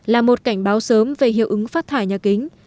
là một cảnh báo sớm về hiệu ứng phát thải nhà kính